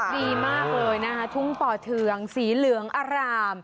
ดีมากเลยนะคะทุ่งป่อเทืองสีเหลืองอร่าม